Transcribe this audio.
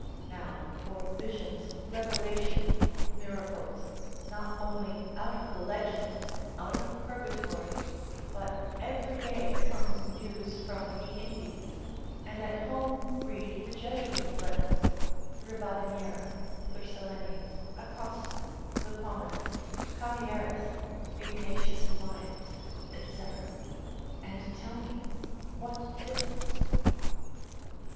Now for visions, revelations, miracles, not only out of the legend, out of purgatory, but everyday comes news from the Indies, and at home read the Jesuits' Letters, Ribadineira, Thurselinus, Acosta, Lippomanus, Xaverius, Ignatius' Lives, &c., and tell me what difference?